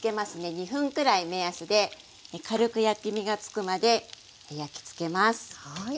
２分くらい目安で軽く焼き目がつくまで焼きつけます。